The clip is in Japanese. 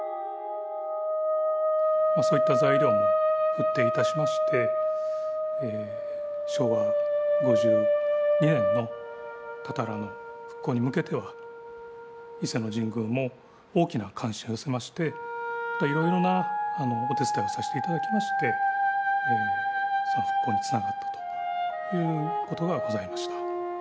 そういった材料も払底いたしまして昭和５２年のたたらの復興に向けては伊勢の神宮も大きな関心を寄せましていろいろなお手伝いをさせていただきましてその復興につながったということがございました。